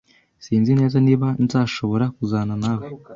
Sinzi neza niba nzashobora kuzana nawe.